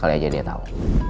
kali aja dia tahu